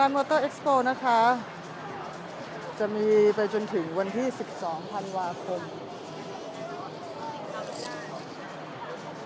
ได้ให้ได้ตุลทดลองการการจะเลือกหลังเข้าไปทำเนี่ยนะคะ